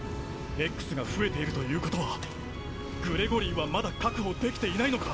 Ｘが増えているということはグレゴリーはまだ確保できていないのか？